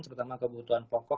serta kebutuhan pokok